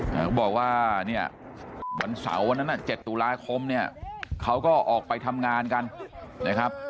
เขาบอกว่าเนี่ยวันเสาร์วันนั้น๗ตุลาคมเนี่ยเขาก็ออกไปทำงานกันนะครับ